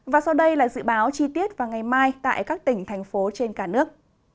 và sau đây là dự báo chi tiết vào ngày mai tại các tỉnh thành phố trên cả nước